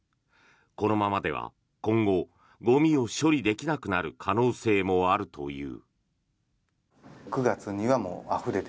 このままでは今後ゴミを処理できなくなる可能性もあるという。